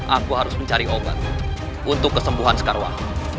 aku harus mencari obat untuk kesembuhan sekarwan